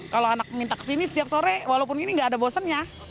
kalau anak minta kesini setiap sore walaupun ini nggak ada bosennya